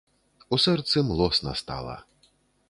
У сэрцы млосна стала.